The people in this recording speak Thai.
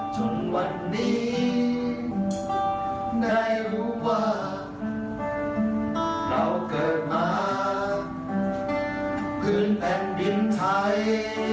จนวันนี้ได้รู้ว่าเราเกิดมาพื้นแผ่นดินไทย